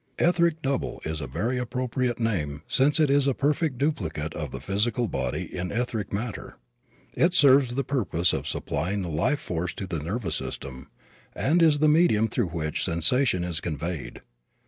"Etheric double" is a very appropriate name since it is a perfect duplicate of the physical body in etheric matter. It serves the purpose of supplying the life force to the nervous system and is the medium through which sensation is conveyed.